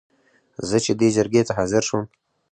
زه چې دې جرګې ته حاضر شوم.